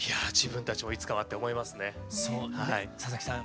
佐々木さん